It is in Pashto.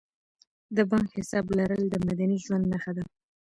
د بانک حساب لرل د مدني ژوند نښه ده.